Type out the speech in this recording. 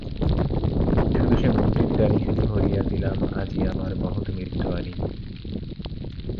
শুধু সে মুক্তির ডালিখানি ভরিয়া দিলাম আজি আমার মহৎ মৃত্যু আনি।